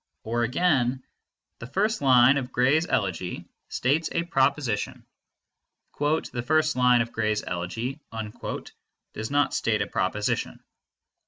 Or again, The first line of Gray's Elegy states a proposition. "The first line of Gray's Elegy" does not state a proposition.